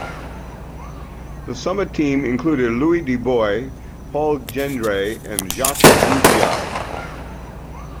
The summit team included Louis Dubost, Paul Gendre and Jacques Brugirard.